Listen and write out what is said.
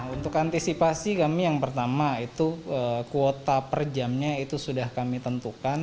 untuk antisipasi kami yang pertama itu kuota per jamnya itu sudah kami tentukan